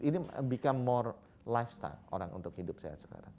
ini menjadi lifestyle orang untuk hidup sehat sekarang